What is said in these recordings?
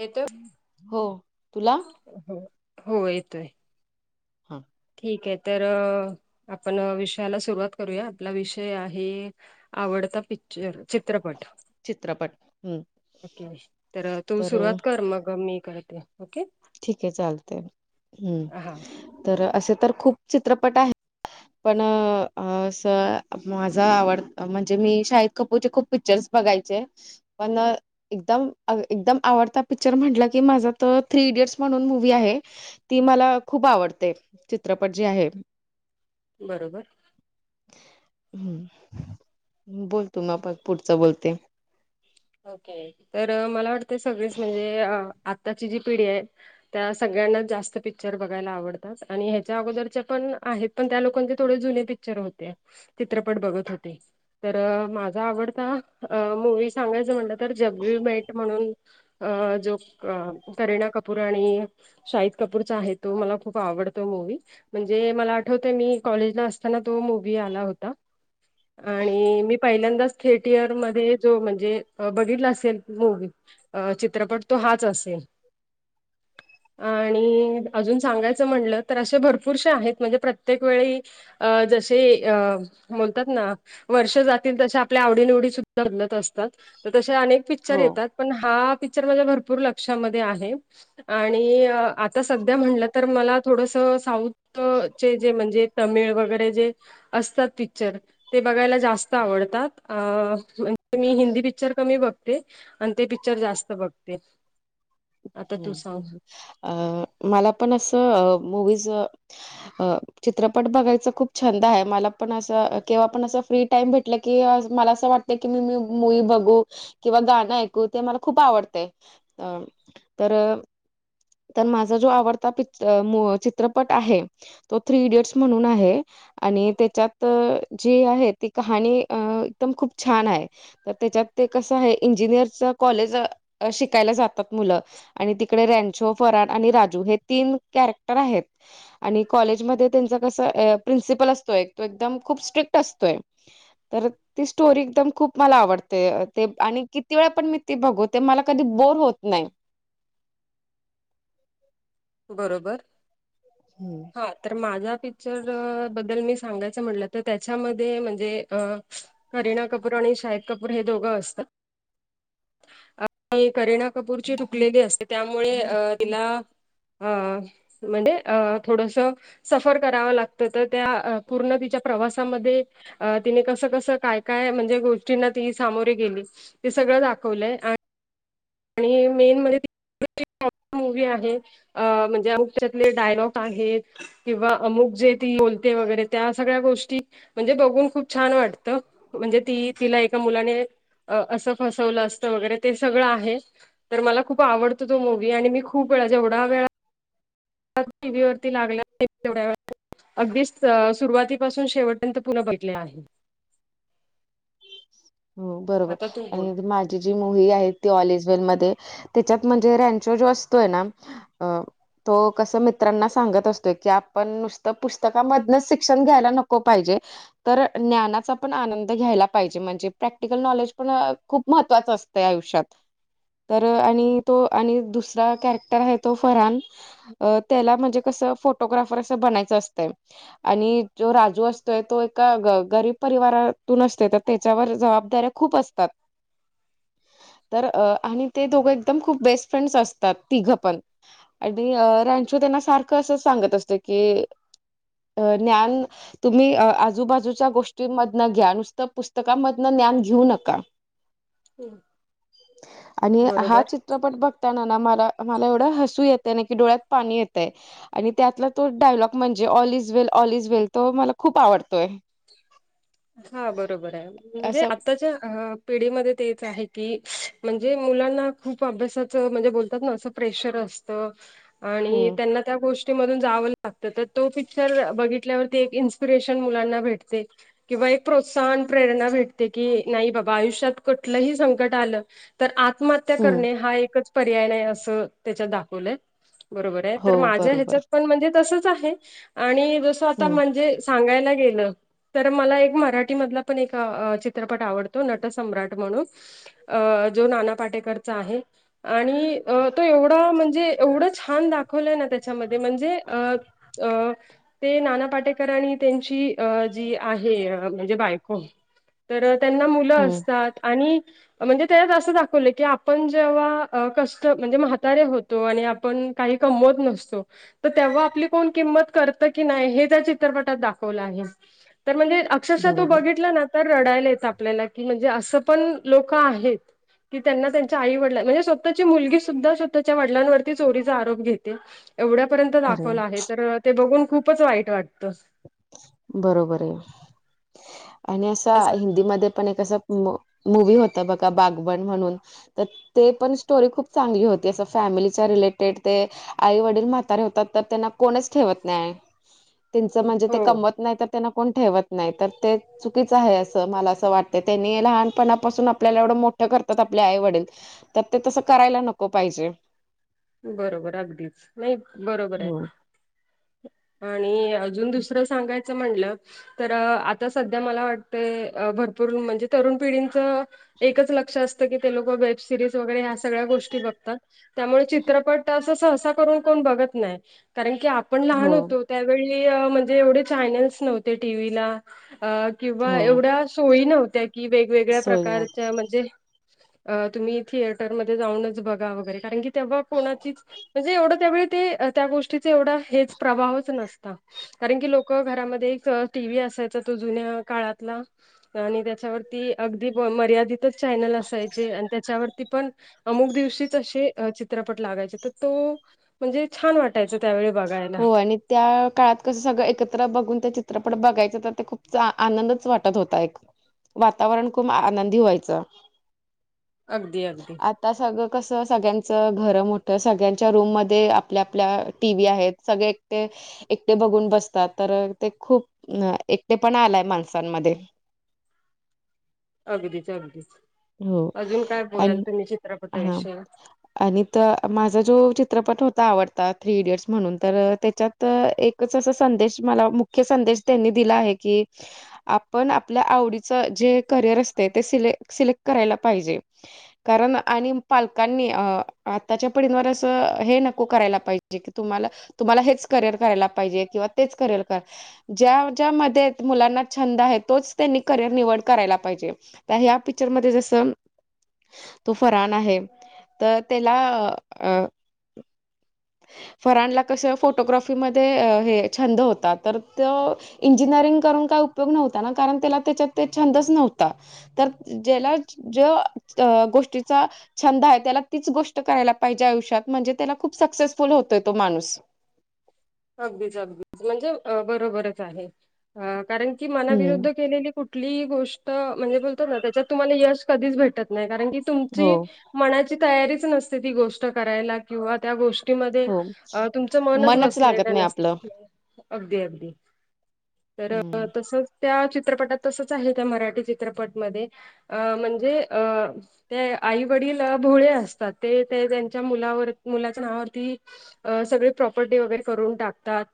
येतोय? हो तुला हो हो येतोय. हा. ठीक आहे. तर आपण विषयाला सुरुवात करूया आपला विषय आहे- आवडता पिक्चर चित्रपट. चित्रपट हम्म ओके. तर तू सुरुवात कर. मग मी करते. ओके? ठीक आहे. चालतय हं हा तर असे तर खूप चित्रपट आहेत. पण असा माझा आवड म्हणजे मी शाहीद कपूरचे खूप- पिक्चर्स बघायचे पण- एकदम, एकदम आवडता पिक्चर म्हटलं की माझा तो थ्री इडियट्स म्हणून मूवी् आहे- ती मला खूप आवडते. चित्रपट जी आहे. बरोबर. हम्. बोल तू मग आपण पुढचं बोलते. ओके. तर मला वाटतं सगळीच म्हणजे आत्ताची जी पिढी आहे- त्या सगळ्यांनाच जास्त पिक्चर बघायला आवडतात आणि ह्याच्या अगोदरच्या पण आहेत- पण त्या लोकांचे थोडे जुने पिक्चर होते. चित्रपट बघत होते. तर माझा आवडता मूवी सांगायचं झाला तर जब वी मेट म्हणून- अ जो अ करीना कपूर आणि- शाहिद कपूरचा आहे. तो मला खूप आवडतो मूवी. म्हणजे मला आठवतंय मी कॉलेजला असताना तो मुूवी आला होता. आणि मी पहिल्यांदाच थिएटयर मध्ये [unintelligible] जे बघितलं असेल मूवी. अं- चित्रपट तो हाच असेल. [inaudible] आणि, अजून सांगायचं म्हणलं तर असे भरपूरसे आहेत म्हणजे प्रत्येक वेळी अ जसे अ म्हणतात ना वर्ष जातील तसे आपल्या आवडीनिवडी सुद्धा बदलत असतात. तर तसे अनेक पिक्चर हो येतात. पण हा पिक्चर माझ्या भरपूर लक्षामध्ये आहे. आणि आता सध्या म्हणलं तर मला थोडसं साऊथ चे जे म्हणजे- तमिळ वगैरे जे असतात पिक्चर, ते बघायला जास्त आवडतात अ मी हिंदी पिक्चर कमी बघते, आणि ते पिक्चर जास्त बघते. आता तू सांग अ मला पण असं मूवीज अ चित्रपट बघायचा खूप छंद आहे. मला पण अस केव्हा पण असं फ्री टाइम भेटलं की मला असं वाट कि ते मी मूवी बघू किंवा गाणं ऐकू ते मला खूप आवडतय. तर, तर माझा जो आवडता पीच मु चित्रपट आहे तो थ्री इडियट्स म्हणून आहे. आणि त्याच्यात जी आहे ती कहाणी अ एकदम खूप छान आहे. तर त्याच्यात ते कसं आहे, इंजिनिअरच कॉलेज अ शिकायला जातात. मुलं, आणि तिकडे रॅनचो, फरान आणि राजू हे तीन कॅरेक्टर आहेत. आणि कॉलेजमध्ये त्यांचं कसं प्रिन्सिपल असतोय, तो एकदम खूप स्ट्रिक्ट असतोय. तर ती स्टोरी एकदम खूप मला आवडते, ते आणि किती वेळा पण मी ते बघू ते मला कधी बोर होत नाही. बरोबर. हम हा तर माझा पिक्चर बद्दल मी सांगायचं म्हटलं, तर त्याच्यामध्ये म्हणजे अ करीना कपूर आणि शाहिद कपूर हे दोघं असतात. अ करीना कपूरची [unintelligible] असते त्यामुळे अ तिला अ म्हणजे अ थोडसं सफर करावं लाग तर त्या पूर्ण तिच्या प्रवासामध्ये तिने कसं कसं, काय काय म्हणजे गोष्टींना ती सामोरे गेली. ते सगळं दाखवलंय आ आणि मेन म्हणजे [unintelligible] मूवी आहे म्हणजे आम त्याच्यातले डायलॉग आहेत, किंवा अमुक जे ती बोलते वगैरे त्या सगळ्या गोष्टी म्हणजे बघून खूप छान वाटतं, म्हणजे ती तिला एका मुलाने अ असं फसवलं असतं वगैरे ते सगळं आहे. तर मला खूप आवडतो तो मूवी आणि मी खूप वेळा, जेवढा वेळा टीव्ही वरती लागला [unintelligible] तेवढ्या वेळा अगदीच सुरुवातीपासून शेवटपर्यंत पुन्हा बघितला आहे. हो बरोबर, आता तू आणि बोल आता मा जी मूव्ही आहे ती ऑल इज वेल मध्ये, त्याच्यात म्हणजे रॅनचो जो असतोय ना अ तो कसं मित्रांना सांगत असतोय, की आपण नुसतं पुस्तकामधनच शिक्षण घ्यायला नको पाहिजे. तर ज्ञानाचा पण आनंद घ्यायला पाहिजे म्हणजे प्रॅक्टिकल नॉलेज पण अ खूप महत्वाचं असतंय आयुष्यात. तर आणि तो आणि दुसरा कॅरेक्टर आहे तो फरान अ त्याला म्हणजे कसं फोटोग्राफर असं बनायचं असतंय. आणि जो राजू असतोय तो एका ग गरीब परिवारातून असते त्या त्याच्यावर जबाबदाऱ्या खूप असतात. तर आणि ते दोघं एकदम खूप बेस्ट फ्रेंड्स असतात तिघं पण. आणि रेंचो त्यांना सारखं असंच सांगत असतो की अ ज्ञान तुम्ही आजूबाजूच्या गोष्टींमधनं घ्या नुसतं पुस्त पुस्तकांमधून ज्ञान घेऊ नका आणि बरोबर हा चित चित्रपट बघताना ना मला मला एवढं हसू येत आहे ना, की डोळ्यात पाणी येतंय. आणि त्यातला तो डायलॉग म्हणजे all is well, all is well तो मला खूप आवडतोय. हा बरोबर आहे म्हणजे असं आताच्या पिढीमध्ये तेच आहे की म्हणजे मुलांना खूप अभ्यासाचं म्हणजे बोलतात ना असं प्रेशर असत त आणि हम्म त्यांना त्या गोष् मधून जावं लागतं, तर तो पिक्चर बघितल्यावरती एक इन्स्पिरेशन मुलांना भेटते. किंवा एक प्रोत्साहन प्रेरणा भेटते, की नाही बाबा आयुष्यात कुठलंही संकट आलं तर आत्महत्या हम्म करणे हा एकच पर्याय नाही, असं त्याच्यात दाखवलंय. बरोबर आहे, हो तर माझ्या बरोबर ह्याच्यात पण म्हणजे तसच आहे, आणि जस आता हम्म म्हणजे सांगायला गेलं तर मला एक मराठी मधला पण एक चित्रपट आवडतो नट सम्राट म्हणून अ जो नाना पाटेकरचा आहे आणि तो एवढा म्हणजे एवढं छान दाख दाखवलं ना त्याच्यामध्ये म्हणजे अ ते नाना पाटेकर आणि त्यांची जी आहे म्हणजे बायको तर त्यांना मुलं हम्म असतात आणि म्हणजे त्यात असं दाखवलं की आपण जेव्हा कष्ट म्हणजे म्हातारे होतो आणि पण काही कमवत नसतो तर तेव्हा आपली कोण किंमत करतं की नाही हे त्या चित्रपटात दाखवलं आहे तर म्हणजे अक्षरशः तो बरोबर बघितला ना तर रडायला येत आपल्याला की म्हणजे असं पण लोक आहेत कि त्यांना त्यांच्या आई वडिला म्हणजे स्वतःची मुलगी सुद्धा स्वतःच्या वडिलांवरती चोरीचा आरोप घेते एवढ्यापर्यंत अरे दाखवलं आहे तर ते बघून खूपच वाईट वाटतं बरोबर आहे आणि असं हिंदीमध्ये पण एकं असं मूवी होत बघा बागवान म्हणून तर ते पण स्टोरी खूप चांगली होती असं फॅमिलीच्या रिलेटेड ते आई वडील म्हातारे होतात तर त्यांना कोणच ठेवत नाही त्यांचं म्हणजे ते हो कमवत नाही तर त्यांना कोण ठेवत नाही तर ते चुकीच आहे असं मला असं वाटतं त्यांनी लहानपणापासून आपल्याला एवढं मोठं करतात आपले आई वडील तर ते तसं करायला नको पाहिजे बरोबर अगदीच नाही बरोबर आहे हो आणि अजून दुसरं सांगायचं म्हणलं तर आता सध्या मला वाटत भरपूर म्हणजे तरुण पिढींचं एकच लक्ष असत की ते लोक वेब सिरीज वगैरे ह सगळ्या गोष्टी बघतात त्यामुळे चित्रपट अस सहसा करून कोण बघत नाही कारण की आपण लहान हो होतो त्यावेळी म्हणजे एवढे चॅनल्स नव्हते टीव्हीला आ किंवा हो एवढ्या सोयी नव्हत्या कि वेगवेगळ्या सोय प्रकारच्या म्हणजे तुम्ही थिएटरमध्ये जाऊनच बघा वगैरे कारण की तेव्हा कोणाची म्हणजे एवढं त्यावेळी ते त्या गोष्टीचा एवढा हेच प्रभावच नसता कारण की लोक घरामध्ये एक टीवही असायचा तो जुन्या काळातला आणि त्याच्यावरती अगदी मर्यादित चॅनल असायचे आणि त्याच्यावरती पण अमुक दिवशी तशे चित्रपट लागायचे तो म्हणजे छान वाटायचा हो आणि त्या काळात कसं सगळं एकत्र बघून त्या चित्रपट बघायचं तर ते खूप आनंदच वाटत होता एक वातावरण खूप आनंदी व्हायचं अगदी अगदी ता सगळं कसं सगळ्यांचं घरं मोठं सगळ्यांच्या रूममध्येध्ये आपल्या आपल्या टी व्ही आहेत सगळे एकटे एकटे बघून बसतात तर ते खूप एकटे पण आलाय माणसांमध्ये अगदीच अगदीच हो अजून काय बोलाल आणि तुम्ही हा चित्रपटाविषयी आणि त माझा जो चित्रपट होता आवडता थ्री इडियट्स म्हणून तर त्याच्यात तर एकच असा संदेश मला मुख्य संदेश त्यांनी दिला आहे की आपण आपल्या आवडीच जे करिअर असते ते सिलेक सिलेक्ट करायला पाहिजे कारण आणि पालकांनी अ आताच्या पिढींवर असं हे नको करायला पाहिजे जे कि तुम्हाला तुम्हाला हेच करिअर करायला पाहिजे किंवा तेच करिअर क ज्या ज्यामध्ये मुलांना छंद आहे तोच त्यांनी करिअर निवड करायला पाहिजे प ह्या पिक्चर मध्ये जस तो फरान आहे तर त्याला फराणला कसं फोटोग्राफीमध्ये हे छंद होता तर त इंजिनिअरिंग करून काय उपयोग नव्हता ना कारण त्याला त्याच्यात ते छंदच नव्हता तर ज्याला जो गोष्टीचा छंद आहे त्याला तीच गोष्ट करायला पाहिजे आयुष्यात म्हणजे त्याला खूप सक्सेसफुल होतोय तो माणूस अगदीच अगदीच म्हणजे बरोबरच आहे कारण की हम्म मनाविरुद्ध केलेली कुठली गोष्ट म्हणजे बोलतो ना त्याच्यात तुम्हाला यश कधीच भेटत नाही कारण की हो तुमची मनाची तयारीच नसते ती गोष्ट करायला किंवा त्या गोष्ट हो तुमचं मनच बस लागत नाही आपलं अगदी अगदी तर हम्म तसच त्या चित्रपटात तसच आहे त्या मराठी चित्रपटमध्ये अ म्हणजे अ ते आई वडील भोळे असतात ते ते त्यांच्या मुवर मुलाच्या नावावरती सगळी प्रॉपर्टी वगैरे करून टाकतात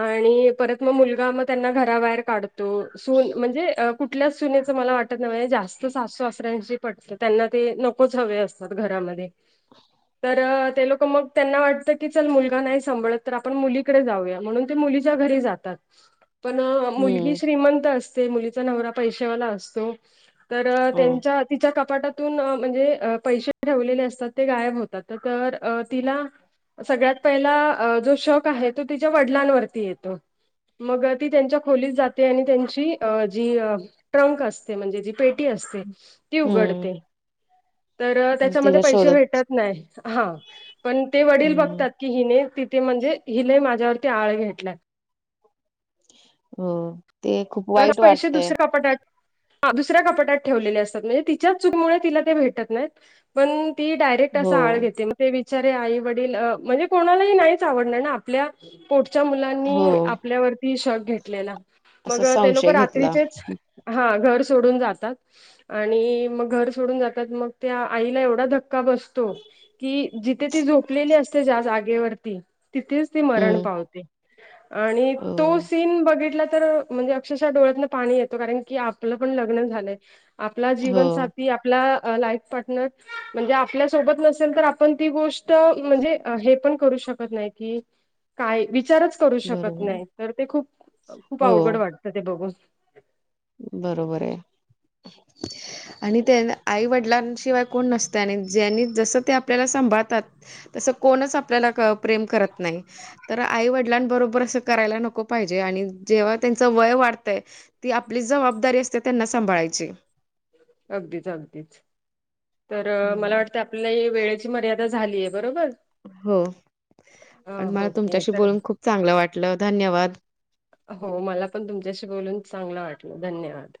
आणि परत मग मुलगा त्यांना घराबाहेर काढतो तो सून म्हणजे कुठल्याच सुनेचं मला वाटत नव् जास्त सासू सासऱ्यांशी पटत त्यांना ते नकोच हवे असतात घरामध्ये तर ते लोक मग त्यांना वाटत की चल मुलगा नाही सांभळत तर आपण मुलीकडे जाऊया म्हणून ते मुलीच्या घरी जातात पण मुलगी हम्म श्रीमंत अस मुलीचा नवरा पैशवाला असतो तर हो त्यांच्या तिच्या कपाटातून म्हणजे पैसे ठेवलेले असतात ते गायब होतात तर तिला सगळ्यात पहिला जो शक आहे तो तिच्या वडिलांवरती येतो मग ती त्यांच्या खोलीत जाते आणि त्यांची अ जी ट्रंक असते म्हणजे जी पेटी असते ती हम्म उघडते तर त्याच्यामध्ये त्याच्या पैसे शोधत भेटत नाही हा पण ते वडील हम्म बघतात कि हिने तिथे म्हणजे हिला माझ्यावरती आळ घेतला हो ते खूप ब वाईट पैसे वाटतंय दुसरे कपाट आहेत दुसऱ्या कपाटात ठेवलेले असतात म्हणजे तिच्या चुकीमुळे भेटत नाही पण ती डायरेक्ट रेक्ट अस हो आळ घेते मग ते विचारे आई वडील म्हणजे कोणालाही नाहीच आवडनार ना आपल्या पोटच्या मुलांनी हो आपल्यावरती शक घेतलेला मग असा ते लोक संशय घेतला रात्रीचेच हा घर सोडून जातात आणि मग घर सोडून जातात मग त्या आईला एवढा धक्का बसतो कि जिथे ती झोपलेली असते ज जागेवरती तिथेच ती मरण हम्म पावते आणि तो हो सीन बघितला तर म्हणजे अक्षरशः डोळ्यातन पाणी येतो कारण की आपलं पण लग्न झालंय आपला हो जीवन साथ ती आपला लाईफ पार्टनर म्हणजे आपल्या सोबत नसेल तर आपण ती गोष्ट तो म्हणजे हे पण करू शकत नाही की काय विचारच करू शकत बरोबर नाही तर ते खूप खूप हो अवघड वाटतं ते बघून बरोबर आहे आणि त्या आईवडिलांशिवाय कोण नसत आणि ज्यांनी जसं ते आपल्याला सांभाळतात तस कोणच आपल्याला प्रेम करत नाही तर आईवडिलांबरोबर अस करायला नको पाहिजे आणि जेव्हा त्यांच वय वाढतंय ती आपली जबाबदारी असते त्यांना सांभाळायची. अगदीच अगदीच तर मला हम्म. वाटतं आपल्या वेळेची मर्यादा झालीय बरोबर हो अ, आणि मला ओके तुमच्याशी तर बोलून खूप चांगलं वाटलं धन्यवाद हो मला पण तुमच्याशी बोलून चांगलं वाटलं धन्यवाद